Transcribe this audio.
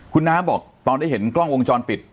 คุณน้าบอกตอนได้เห็นกล้องวงจรปิด